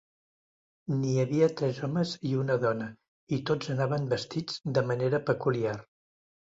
N'hi havia tres homes i una dona, i tots anaven vestits de manera peculiar.